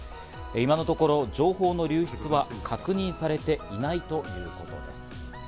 今のところ情報の流出は確認されていないということです。